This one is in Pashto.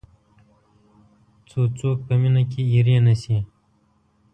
څو څوک په مینه کې اېرې نه شي.